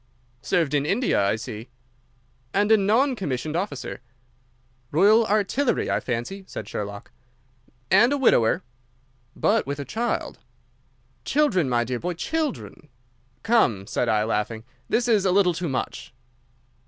"Served in India, I see." "And a non commissioned officer." "Royal Artillery, I fancy," said Sherlock. "And a widower." "But with a child." "Children, my dear boy, children." "Come," said I, laughing, "this is a little too much."